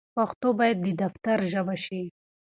پښتو بايد د دفتر ژبه شي.